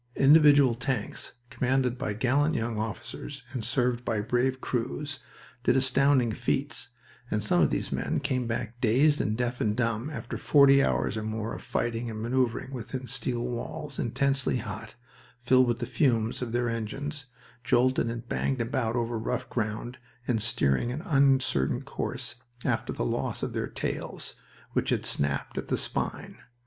Individual tanks, commanded by gallant young officers and served by brave crews, did astounding feats, and some of these men came back dazed and deaf and dumb, after forty hours or more of fighting and maneuvering within steel walls, intensely hot, filled with the fumes of their engines, jolted and banged about over rough ground, and steering an uncertain course, after the loss of their "tails," which had snapped at the spine.